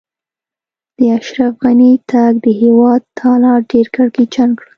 د اشرف غني تګ؛ د هېواد حالات ډېر کړکېچن کړل.